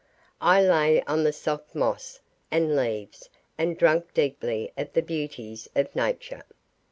I lay on the soft moss and leaves and drank deeply of the beauties of nature.